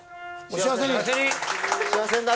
お幸せに！